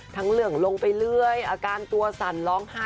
เหลืองลงไปเรื่อยอาการตัวสั่นร้องไห้